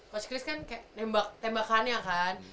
mas chris kan kayak tembakannya kan